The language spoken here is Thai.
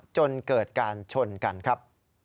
จนเกิดการชนกันครับ